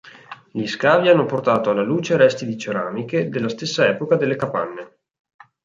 Gli scavi hanno portato alla luce resti di ceramiche della stessa epoca delle capanne.